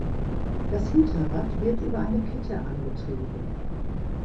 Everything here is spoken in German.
Das Hinterrad wird über eine Kette angetrieben.